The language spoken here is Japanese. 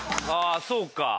ああそうか。